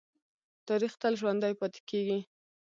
تاریخ تل ژوندی پاتې کېږي.